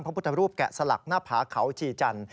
พระพุทธรูปแกะสลักหน้าผาเขาชีจันทร์